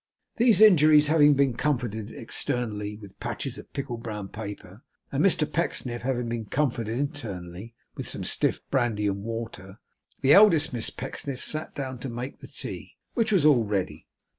These injuries having been comforted externally, with patches of pickled brown paper, and Mr Pecksniff having been comforted internally, with some stiff brandy and water, the eldest Miss Pecksniff sat down to make the tea, which was all ready.